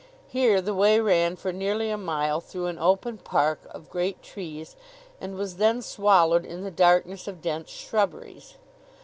Here the way ran for nearly a mile through an open park of great trees and was then swallowed in the darkness of dense shrubberies.